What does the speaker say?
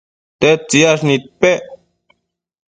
tedtsiyash nidpec